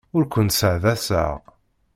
Ur kent-sseɛḍaseɣ.